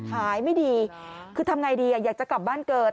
หายไม่ดีคือทำไงดีอยากจะกลับบ้านเกิด